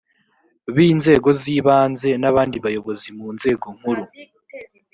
b inzego z ibanze n abandi bayobozi mu nzego nkuru